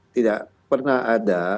tidak pernah ada